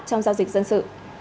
trong giao dịch dân sự